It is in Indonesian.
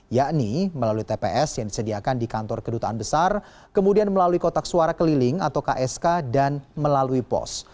yakni melalui tps yang disediakan di kantor kedutaan besar kemudian melalui kotak suara keliling atau ksk dan melalui pos